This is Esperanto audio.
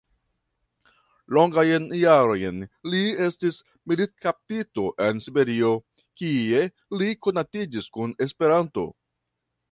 Longajn jarojn li estis militkaptito en Siberio, kie li konatiĝis kun Esperanto.